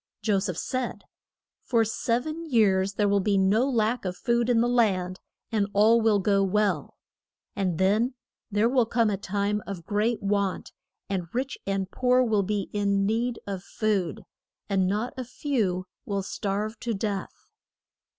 Jo seph said, For sev en years there will be no lack of food in the land, and all will go well; and then there will come a time of great want, and rich and poor will be in need of food, and not a few will starve to death.